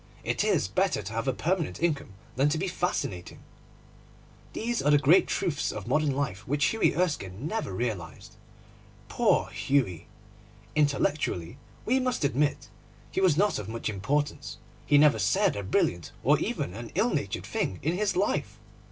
It is better to have a permanent income than to be fascinating. These are the great truths of modern life which Hughie Erskine never realised. Poor Hughie! Intellectually, we must admit, he was not of much importance. He never said a brilliant or even an ill natured thing in his life.